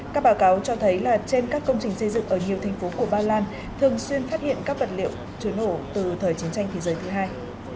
các báo cáo cho thấy là trên các công trình xây dựng ở nhiều thành phố của ba lan thường xuyên phát hiện các vật liệu chứa nổ từ thời chiến tranh thế giới thứ hai